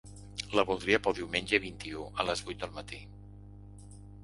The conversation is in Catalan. La voldria pel diumenge vint-i-u a les vuit del mati.